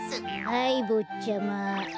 はいぼっちゃま。